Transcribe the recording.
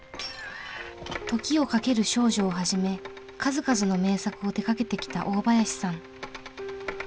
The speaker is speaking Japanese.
「時をかける少女」をはじめ数々の名作を手がけてきた大林さん。